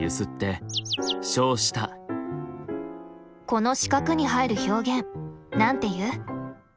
この四角に入る表現なんて言う？